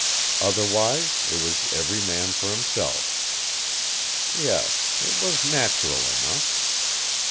Otherwise it was every man for himself. Yes, it was natural enough.